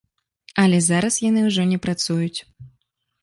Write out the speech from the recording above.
Але зараз яны ўжо не працуюць.